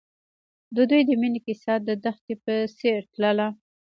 د دوی د مینې کیسه د دښته په څېر تلله.